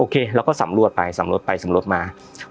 โอเคแล้วก็สำรวจไปสำรวจไปสำรวจมา